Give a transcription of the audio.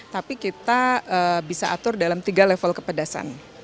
tapi kita bisa atur dalam tiga level kepedasan